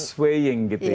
sweying gitu ya